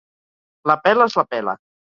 La pela és la pela.